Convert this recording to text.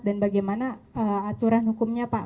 dan bagaimana aturan hukumnya pak